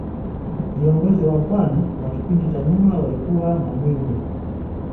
viongozi wa pwani kwa kipindi cha nyuma walikuwa mamwinyi